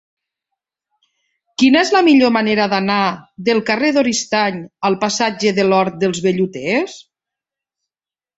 Quina és la millor manera d'anar del carrer d'Oristany al passatge de l'Hort dels Velluters?